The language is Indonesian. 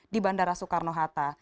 di bandara soekarno hatta